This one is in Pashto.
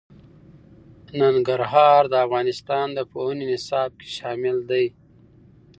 ننګرهار د افغانستان د پوهنې نصاب کې شامل دي.